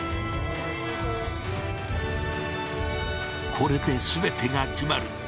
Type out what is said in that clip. これで全てが決まる。